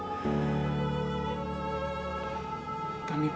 berikanlah kami yang terbaik